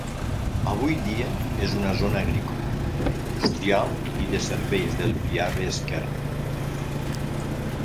Avui dia és una zona agrícola, industrial i de serveis del Piave esquerra.